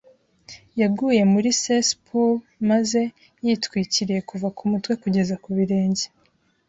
Yaguye muri cesspool maze yitwikiriye kuva ku mutwe kugeza ku birenge.